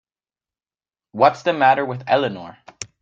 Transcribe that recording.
What's the matter with Eleanor?